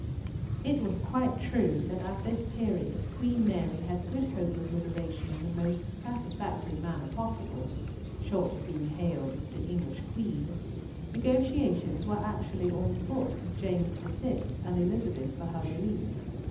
It was quite true that at this period Queen Mary had good hope of liberation in the most satisfactory manner possible—short of being hailed as English Queen. Negotiations were actually on foot with James VI. and Elizabeth for her release.